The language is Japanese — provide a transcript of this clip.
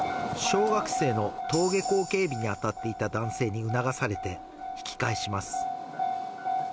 小学生の登下校警備に当たっていた男性に促されて引き返します。